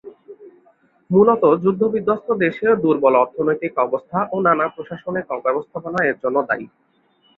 মূলত যুদ্ধবিধ্বস্ত দেশে দুর্বল অর্থনৈতিক অবস্থা ও নানা প্রশাসনিক অব্যবস্থাপনা এর জন্য দায়ী।